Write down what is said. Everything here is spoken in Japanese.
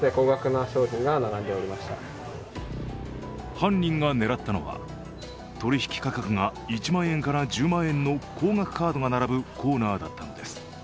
犯人が狙ったのは取引価格が１万円から１０万円の高額カードが並ぶコーナーだったのです。